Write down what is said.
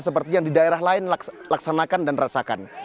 seperti yang di daerah lain laksanakan dan rasakan